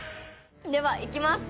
ではいきます。